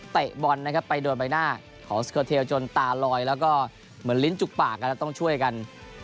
เตะบอลนะครับไปโดนใบหน้าของสเกอร์เทลจนตาลอยแล้วก็เหมือนลิ้นจุกปากกันแล้วต้องช่วยกัน